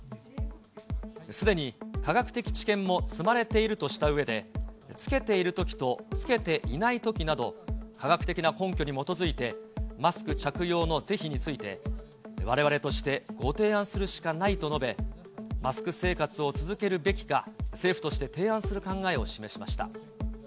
すでに科学的知見も積まれているとしたうえで、着けているときと着けていないときなど、科学的な根拠に基づいて、マスク着用の是非について、われわれとしてご提案するしかないと述べ、マスク生活を続けるべきか、政府として提案する考えを示しました。